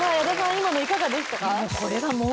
今のいかがでしたか？